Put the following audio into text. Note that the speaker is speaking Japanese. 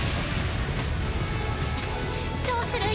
どうする！？